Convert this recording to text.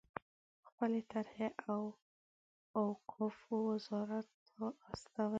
خپلې طرحې اوقافو وزارت ته استوي.